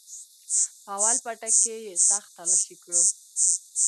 په اول پاټک کښې يې سخت تلاشي كړو.